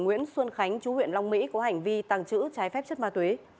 nguyễn xuân khánh chú huyện long mỹ có hành vi tàng trữ trái phép chất ma túy